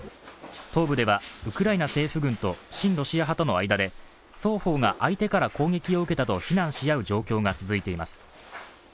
東部ではウクライナ政府軍と親ロシア派との間で、双方が相手から攻撃を受けたと非難し合う状況が続いています。